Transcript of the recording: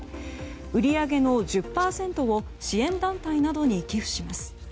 売り上げの１０％を支援団体などに寄付します。